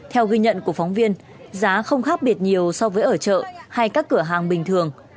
theo ghi nhận của phóng viên giá không khác biệt nhiều so với ở chợ hay các cửa hàng bình thường